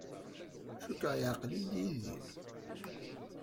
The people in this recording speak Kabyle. Cikkeɣ yeɛqel-iyi Yidir.